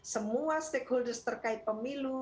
semua stakeholders terkait pemilu